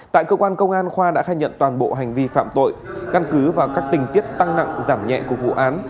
tại cơ quan công an khoa đã khai nhận toàn bộ hành vi phạm tội căn cứ và các tình tiết tăng nặng giảm nhẹ của vụ án